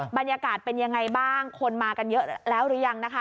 บรรยากาศเป็นยังไงบ้างคนมากันเยอะแล้วหรือยังนะคะ